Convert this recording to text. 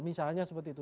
misalnya seperti itu